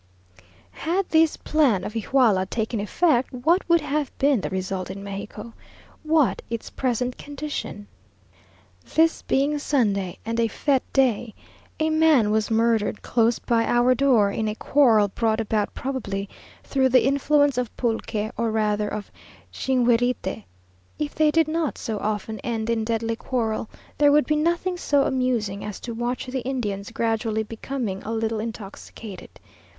Had this plan of Iguala taken effect, what would have been the result in Mexico? what its present condition?... This being Sunday, and a fête day, a man was murdered close by our door, in a quarrel brought about probably through the influence of pulque, or rather of chinguirite. If they did not so often end in deadly quarrel, there would be nothing so amusing as to watch the Indians gradually becoming a little intoxicated.